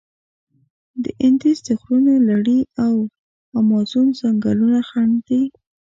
د اندیز د غرونو لړي او امازون ځنګلونه خنډ دي.